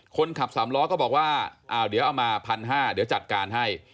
คนขับสามล้อก็บอกว่าอ้าวเดี๋ยวเอามา๑๕๐๐บาทเดี๋ยวจัดการให้